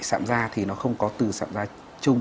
sạm da thì nó không có từ sạm da chung